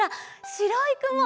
しろいくも！